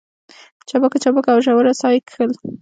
چابکه چابکه او ژوره ساه يې کښل.